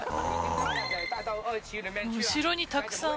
後ろにたくさん。